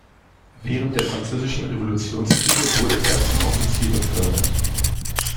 Während der französischen Revolutionskriege wurde er zum Offizier befördert.